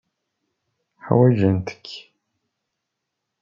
Ḥwajent-k.